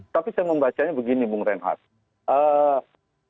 tapi saya membacanya begini bung reinhardt